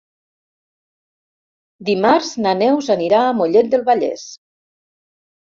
Dimarts na Neus anirà a Mollet del Vallès.